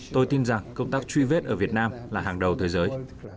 tôi tin rằng công tác truy vết ở việt nam là hàng đầu thế giới